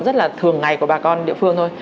rất là thường ngày của bà con địa phương thôi